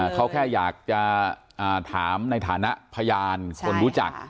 เขาแค่อยากจะถามในฐานะพยานคนรู้จัก